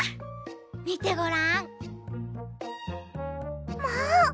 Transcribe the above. みてごらん。も！